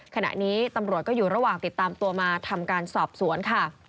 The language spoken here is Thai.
ขณะนี้ตำรวจก็อยู่ระหว่างติดตามตัวมาทำการสอบสวนค่ะ